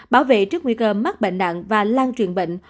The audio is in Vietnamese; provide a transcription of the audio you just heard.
bảo vệ trước nguy cơ mắc bệnh nặng và lan truyền bệnh